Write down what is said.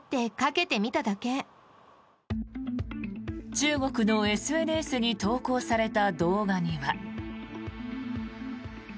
中国のＳＮＳに投稿された動画には。